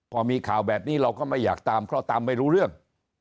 พอมีข่าวแบบนี้เราก็ไม่อยากตามเพราะตามไม่รู้เรื่อง